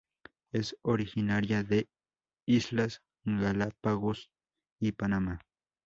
Es originaria de Islas Galápagos y Panamá.